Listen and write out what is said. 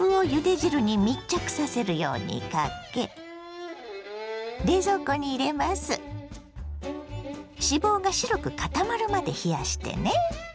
脂肪が白く固まるまで冷やしてね。